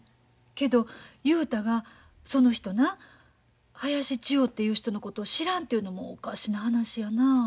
けど雄太がその人な林千代という人のことを知らんというのもおかしな話やなあ。